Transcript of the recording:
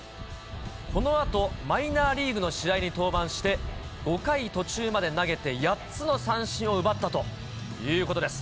このあと、マイナーリーグの試合に登板して、５回途中まで投げて、８つの三振を奪ったということです。